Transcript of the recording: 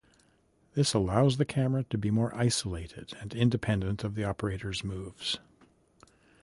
This allows the camera to be more isolated and independent of the operator's moves.